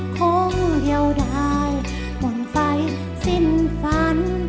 คงเดียวได้หมดไฟสิ้นฝัน